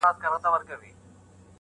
په دې غار کي چي پراته کم موږکان دي.